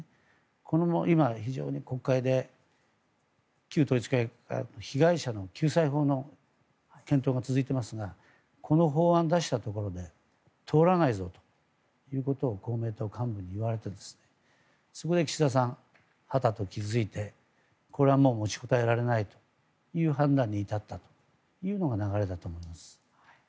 これも今、非常に国会で旧統一教会の被害者の救済法の検討が続いていますがこの法案を出したところで通らないぞということを公明党幹部に言われてそこで岸田さんはたと気付いてこれは持ちこたえられないという判断に至ったというのが流れだと思います。